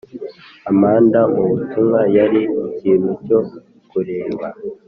amanda mub utumwa yari ikintu cyo kureba